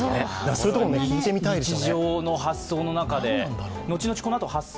そういうところも聞いてみたいですよね。